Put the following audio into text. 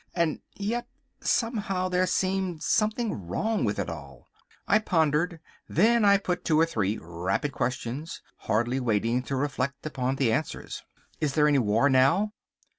And yet, somehow, there seemed something wrong with it all. I pondered, then I put two or three rapid questions, hardly waiting to reflect upon the answers. "Is there any war now?"